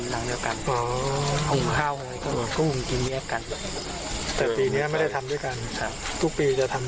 โกงข้างนะก็แยกไว้